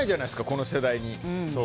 この世代で。